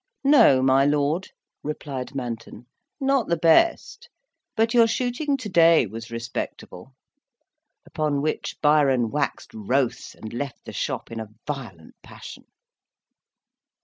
"No, my lord," replied Manton, "not the best; but your shooting, to day, was respectable;" upon which Byron waxed wroth, and left the shop in a violent passion.